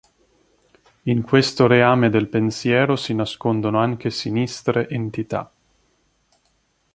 In questo reame del pensiero, si nascondono anche sinistre entità.